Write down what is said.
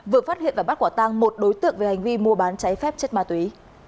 vừa phát hiện và bắt quả tang một đối tượng về hành vi mua bán cháy phép chất ma túy